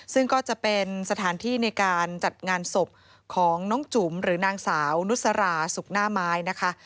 ซึ่งก็จะเป็นสถานที่ในการจัดงานศพของน้องจุ๋มหรือนางสาวนุสราศุกร์หน้าไม้นะคะ